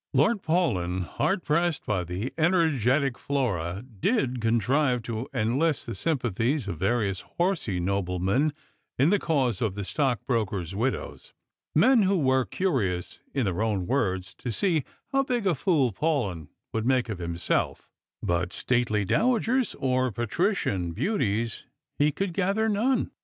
Lord Paulyn, hard pressed by the energetic Flora, did contrive to enlist the sympathies of various horsey noblemen in the cause of the stock brokers' widows — men who were curious, in their own word8» to see "how big a fool Paulyn would make of himself "— but stately dowagers or patrician beauties he could gather none.